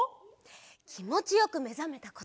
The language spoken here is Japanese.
きもちよくめざめたこと。